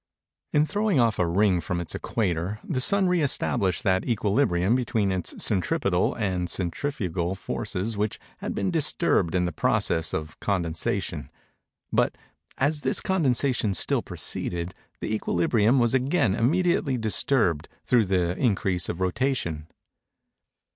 In throwing off a ring from its equator, the Sun re established that equilibrium between its centripetal and centrifugal forces which had been disturbed in the process of condensation; but, as this condensation still proceeded, the equilibrium was again immediately disturbed, through the increase of rotation.